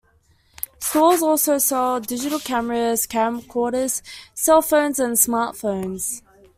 Stores also sell digital cameras, camcorders, cell phones, and smartphones.